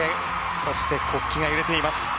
そして国旗が揺れています。